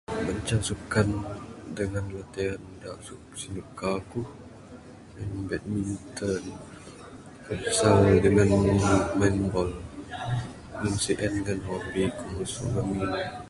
Banca sukan dangan latihan da suka ku en badminton futsal dangan main bol Meng sien ngan hobi ku su ngamin.